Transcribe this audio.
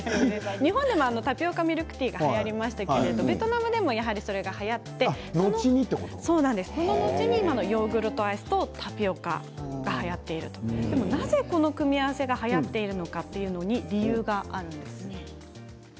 日本でもタピオカミルクティーがはやりましたがベトナムでもそれが、はやってヨーグルトアイスとタピオカがその後にはやってるということですねなぜその組み合わせがはやっているのか理由があるんです。